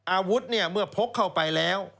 อาวุธเนี่ยเมื่อพกเข้าไปแล้ว